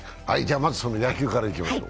まずその野球からいきましょう。